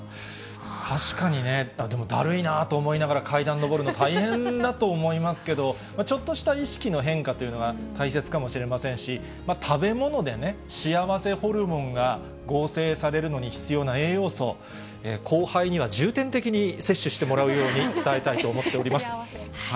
確かにね、でもだるいなと思いながら、階段上るの、大変だと思いますけど、ちょっとした意識の変化というのは大切かもしれませんし、食べ物でね、幸せホルモンが合成されるのに必要な栄養素、後輩には重点的に摂取してもらうように伝えたいと思っております。